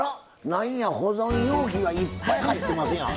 何や保存容器がいっぱい入ってますやん。